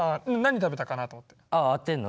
何食べたかなと思って。